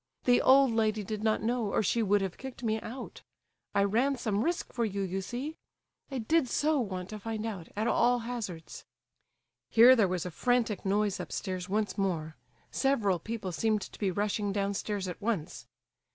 The old lady did not know, or she would have kicked me out. I ran some risk for you, you see. I did so want to find out, at all hazards." Here there was a frantic noise upstairs once more; several people seemed to be rushing downstairs at once.